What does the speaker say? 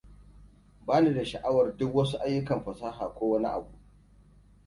Bani da sha'awar duk wasu ayyukan fasaha ko wani abu.